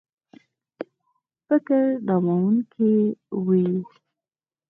فکر نامنونکی وي.